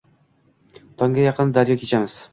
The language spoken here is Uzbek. Tongga yaqin daryo kechamiz.